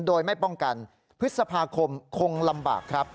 โดยไม่ป้องกันพฤษภาคมคงลำบากครับ